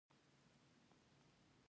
اوس ډګروال دی.